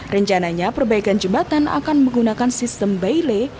rencananya perbaikan jembatan akan menggunakan sistem bailey